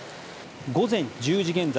午前１０時現在